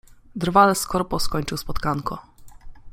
Drwal z korpo skończył spotkanko.